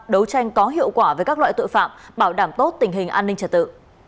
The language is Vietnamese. đấu tranh có hiệu quả với các loại tội phạm bảo đảm tốt tình hình an ninh trật tự